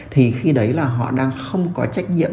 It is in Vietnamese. thì khi đấy là họ đang không có trách nhiệm